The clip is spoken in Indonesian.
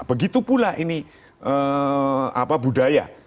begitu pula ini budaya